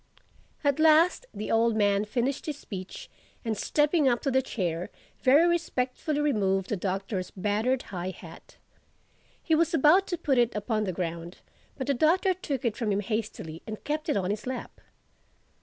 At last the old man finished his speech and stepping up to the chair, very respectfully removed the Doctor's battered high hat. He was about to put it upon the ground; but the Doctor took it from him hastily and kept it on his lap.